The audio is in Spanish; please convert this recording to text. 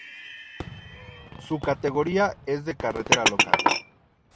Su categoría es de Carretera local.